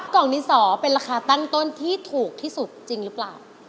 กล่องดินสอเป็นราคาตั้งต้นที่ถูกที่สุดจริงหรือเปล่า